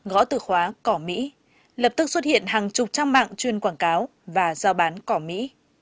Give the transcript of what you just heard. gõ từ khóa cỏ mỹ lập tức xuất hiện hàng chục trang mạng chuyên quảng cáo và giao bán cỏ mỹ